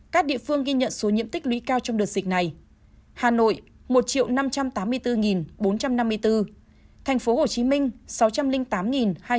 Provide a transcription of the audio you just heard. các địa phương ghi nhận số nhiễm tích lũy cao trong đợt dịch này